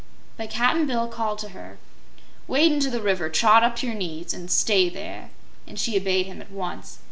But Cap'n Bill called to her: "Wade into the river, Trot, up to your knees an' stay there!" and she obeyed him at once.